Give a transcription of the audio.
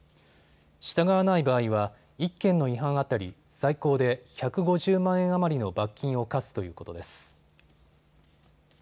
従わない場合は１件の違反当たり最高で１５０万円余りの罰金を科すということです。